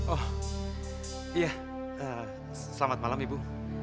oh iya selamat malam ibu